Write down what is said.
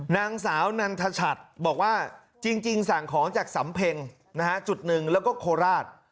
นางสาวนันทชัดบอกว่าจริงสั่งของจากสำเพ็งนะฮะจุดหนึ่งแล้วก็โคราช